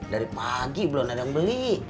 dari pagi belum ada yang beli